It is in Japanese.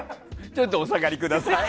ちょっとお下がりください。